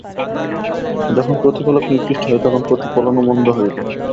যখন প্রতিফলক নিকৃষ্ট হয়, তখন প্রতিফলনও মন্দ হইবে।